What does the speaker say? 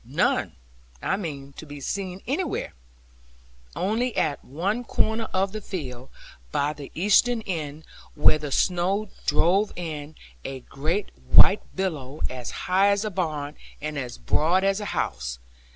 None, I mean, to be seen anywhere; only at one corner of the field, by the eastern end, where the snow drove in, a great white billow, as high as a barn, and as broad as a house.